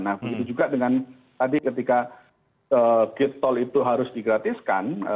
nah begitu juga dengan tadi ketika gate tol itu harus digratiskan